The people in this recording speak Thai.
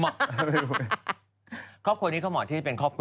เพราะว่าตอนนี้ก็ไม่มีใครไปข่มครูฆ่า